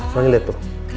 soalnya lihat tuh